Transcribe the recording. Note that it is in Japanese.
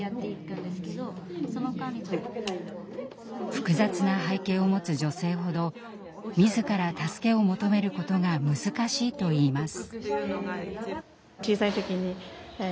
複雑な背景を持つ女性ほど自ら助けを求めることが難しいといいます。